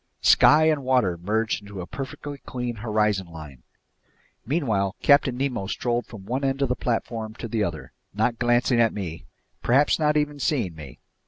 Sky and water merged into a perfectly clean horizon line. Meanwhile Captain Nemo strolled from one end of the platform to the other, not glancing at me, perhaps not even seeing me.